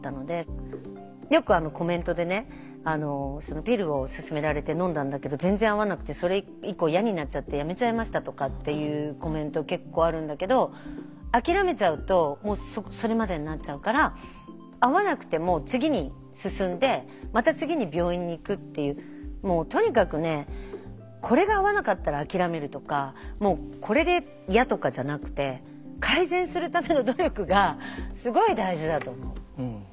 よくコメントでねピルを勧められてのんだんだけど全然合わなくてそれ以降嫌になっちゃってやめちゃいましたとかっていうコメント結構あるんだけど諦めちゃうともうそれまでになっちゃうからもうとにかくねこれが合わなかったら諦めるとかもうこれで嫌とかじゃなくて改善するための努力がすごい大事だと思う。